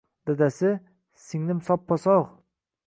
-Dadasi… singlim soppa-sog’.